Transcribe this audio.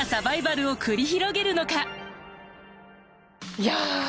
いや！